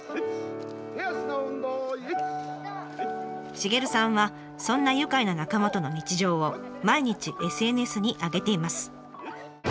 シゲルさんはそんな愉快な仲間との日常を毎日ＳＮＳに上げています。